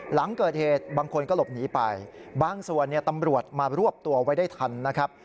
หลังเกิดเหตุบางคนก็หลบหนีไปบางส่วนเนี่ยตำรวจมารวบตัวไว้ได้ทันนะครับ